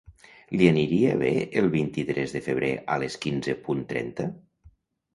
Li aniria bé el vint-i-tres de febrer a les quinze punt trenta?